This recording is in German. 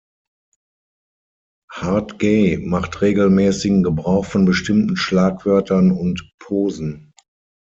Hard Gay macht regelmäßigen Gebrauch von bestimmten Schlagwörtern und Posen.